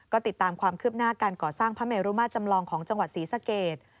ก็ติดตามความคืบหน้าการก่อสร้างพระเมรุมาจำลองของจังหวัดศรีสะเกด